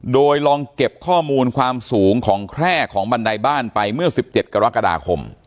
โดยลองเก็บข้อมูลความสูงของแคร่ของบันไดบ้านไปเมื่อ๑๗กรกฎาคม